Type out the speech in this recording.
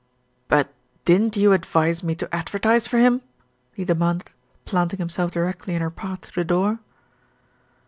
"But didn't you advise me to advertise for him?" he demanded, planting himself directly in her path to the door.